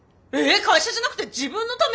会社じゃなくて自分のため！？